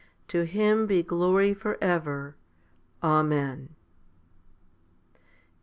To Him be glory for ever. Amen.